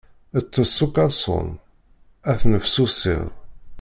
Ṭṭes s ukalṣun, ad tennefsusiḍ.